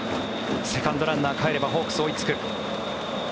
セカンドランナーかえればホークス追いつく。